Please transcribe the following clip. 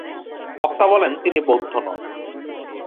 বক্তা বলেন, তিনি বৌদ্ধ নন।